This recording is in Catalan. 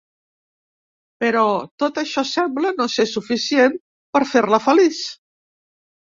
Però, tot això sembla no ser suficient per fer-la feliç.